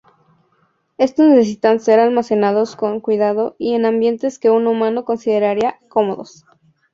Estos necesitan ser almacenados con cuidado y en ambientes que un humano consideraría cómodos.